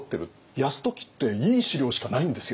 泰時っていい史料しかないんですよ。